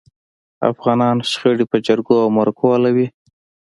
افغانان شخړي په جرګو او مرکو حل کوي.